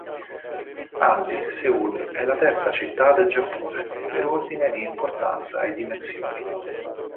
Anzi, Seul è la terza città del Giappone, per ordine di importanza e dimensioni.